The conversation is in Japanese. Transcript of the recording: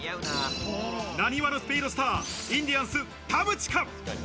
浪速のスピードスター、インディアンス・田渕か？